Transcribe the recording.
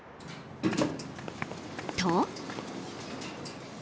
［と］